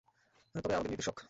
তবে আমাদের নির্দেশক?